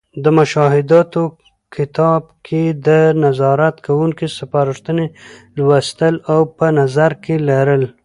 د مشاهداتو کتاب کې د نظارت کوونکو سپارښتنې لوستـل او په نظر کې لرل.